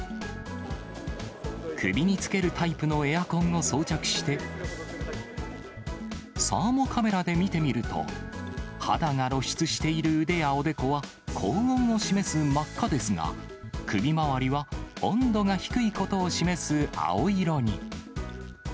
首につけるタイプのエアコンを装着して、サーモカメラで見てみると、肌が露出している腕やおでこは高温を示す真っ赤ですが、首回りは温度が低いことを示す青色に。